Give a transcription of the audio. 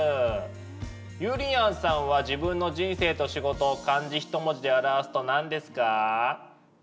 ゆりやんさんは自分の人生と仕事漢字一文字で表すと何ですか？